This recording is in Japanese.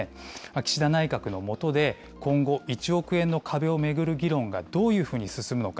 岸田内閣の下で、今後、１億円の壁を巡る議論がどういうふうに進むのか。